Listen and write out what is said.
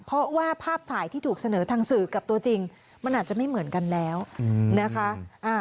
เพราะว่าภาพถ่ายที่ถูกเสนอทางสื่อกับตัวจริงมันอาจจะไม่เหมือนกันแล้วนะคะ